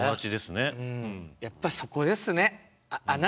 やっぱそこですね。